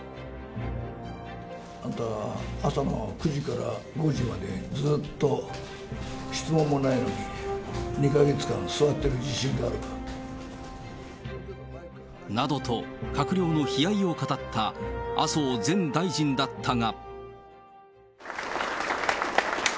あんた、朝の９時から５時まで、ずっと質問もないのに、２か月間、などと、閣僚に悲哀を語った麻生前大臣だったが。